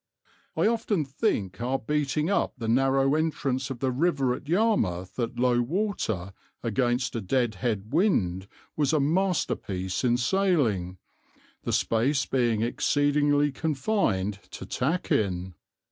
I often think our beating up the narrow entrance of the river at Yarmouth at low water against a dead head wind was a masterpiece in sailing, the space being exceedingly confined to tack in.